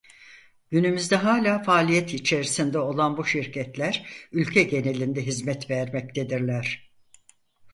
Günümüzde hala faaliyet içerisinde olan bu şirketler ülke genelinde hizmet vermektedirler.